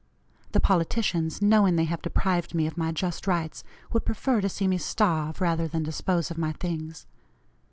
The politicians, knowing they have deprived me of my just rights, would prefer to see me starve, rather than dispose of my things.